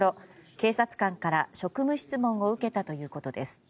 警察官から職務質問を受けたということです。